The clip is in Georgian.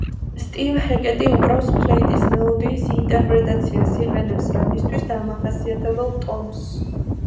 სტივ ჰეკეტი უკრავს ფლეიტის მელოდიის ინტერპრეტაციას, იყენებს რა მისთვის დამახასიათებელ ტონს.